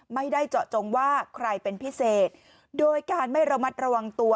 ไม่ได้เจาะจงว่าใครเป็นพิเศษโดยการไม่ระมัดระวังตัว